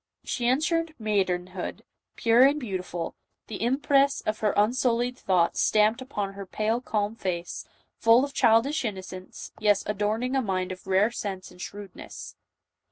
She catered maidenhood, pure and beautiful, the impress of her unsullied thoughts stamped upon her pale calm face, full of childish innocence, yet adorning a mind of rare sense and shrewdness.